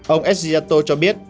ông sajidato cho biết